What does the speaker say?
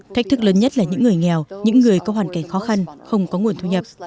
thách thức lớn nhất là những người nghèo những người có hoàn cảnh khó khăn không có nguồn thu nhập